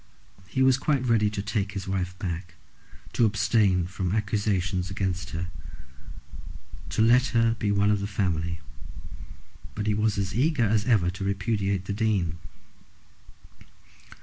He was quite ready to take his wife back, to abstain from accusations against her, to let her be one of the family, but he was as eager as ever to repudiate the Dean.